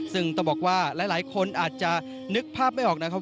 ซึ่งต้องบอกว่าหลายคนอาจจะนึกภาพไม่ออกนะครับ